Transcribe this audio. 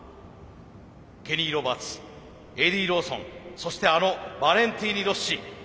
ケニー・ロバーツエディ・ローソンそしてあのバレンティーノ・ロッシ。